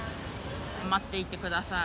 待っていてください。